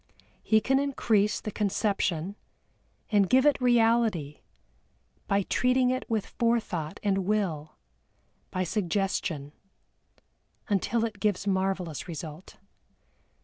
He can increase the conception, and give it reality, by treating it with forethought and will, by suggestion, until it gives marvellous result.